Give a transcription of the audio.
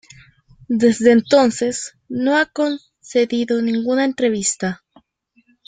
Desde entonces, no ha concedido ninguna entrevista.